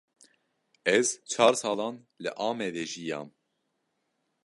Ez çar salan li Amedê jiyam.